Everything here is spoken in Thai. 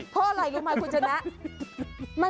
เพราะอะไรคุณชะเน๊ะ